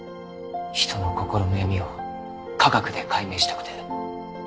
人の心の闇を科学で解明したくて。